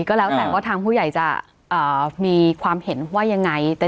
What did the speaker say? ก็แล้วแต่ว่าทางผู้ใหญ่จะมีความเห็นว่ายังไง